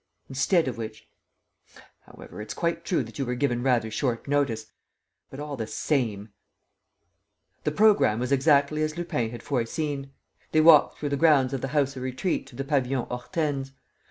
Instead of which ... However, it's quite true that you were given rather short notice ... but all the same ..." The programme was exactly as Lupin had foreseen. They walked through the grounds of the House of Retreat to the Pavillon Hortense.